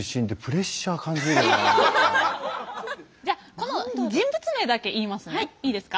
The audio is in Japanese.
じゃこの人物名だけ言いますね。